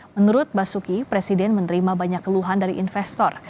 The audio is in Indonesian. menurut basuki presiden menerima banyak keluhan dari investor